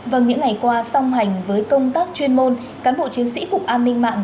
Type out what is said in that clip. vâng những ngày qua song hành với công tác chuyên môn cán bộ chiến sĩ cục an ninh mạng